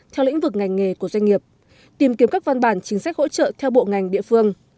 theo lĩnh vực ngành nghề của doanh nghiệp tìm kiếm các văn bản chính sách hỗ trợ theo bộ ngành địa phương